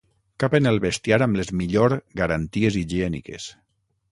Capen el bestiar amb les millor garanties higièniques.